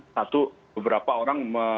satu beberapa orang